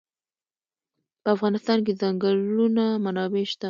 په افغانستان کې د ځنګلونه منابع شته.